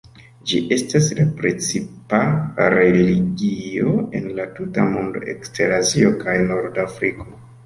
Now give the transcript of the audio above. Ĝi estas la precipa religio en la tuta mondo ekster Azio kaj norda Afriko.